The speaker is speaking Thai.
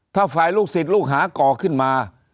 ถ้าฝ่ายลูกศิษย์ลูกหาก่อขึ้นมา